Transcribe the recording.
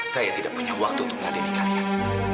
saya tidak punya waktu untuk menghadiri kalian